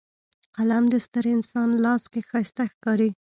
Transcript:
قلم د ستر انسان لاس کې ښایسته ښکاري